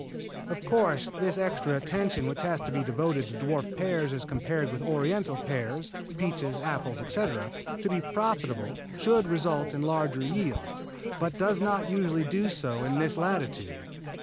Of course, this extra attention which has to be devoted to dwarf pears as compared with Oriental pears, peaches, apples, etc., to be profitable should result in larger yields, but does not usually do so in this latitude.